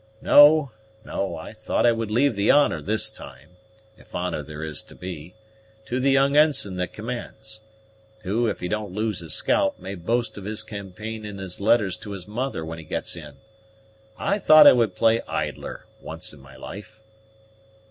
No, no, I thought I would leave the honor this time, if honor there is to be, to the young ensign that commands, who, if he don't lose his scalp, may boast of his campaign in his letters to his mother when he gets in. I thought I would play idler once in my life."